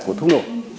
của thuốc nổ